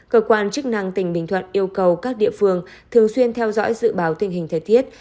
cơ quan chức năng tỉnh bình thuận yêu cầu các địa phương thường xuyên theo dõi dự báo tình hình thời tiết